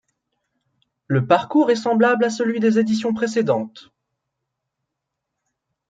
Le parcours est semblable à celui des éditions précédentes.